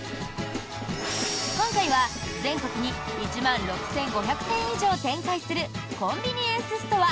今回は、全国に１万６５００店以上を展開するコンビニエンスストア